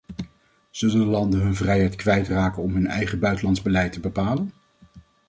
Zullen de landen hun vrijheid kwijtraken om hun eigen buitenlands beleid te bepalen?